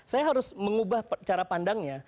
saya harus mengubah cara pandangnya